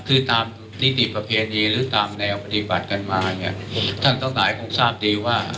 คือตามนิติประเพณีหรือตามแนวปฏิบัติกันมาเนี่ยท่านทั้งหลายคงทราบดีว่า